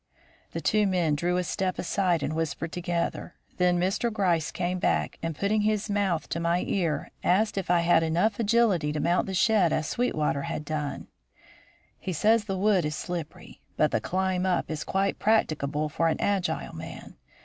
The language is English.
The two men drew a step aside and whispered together. Then Mr. Gryce came back, and, putting his mouth to my ear, asked if I had enough agility to mount the shed as Sweetwater had done. "He says the wood is slippery, but the climb up quite practicable for an agile man.